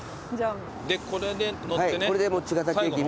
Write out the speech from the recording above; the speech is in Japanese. でこれで乗ってね。